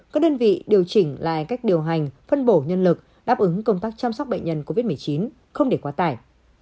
các đơn vị điều chỉnh lại cách điều hành phân bổ nhân lực đáp ứng công tác chăm sóc bệnh nhân covid một mươi chín không để quá tải